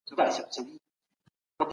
د پښتو لپاره د زړه له تله کار وکړه.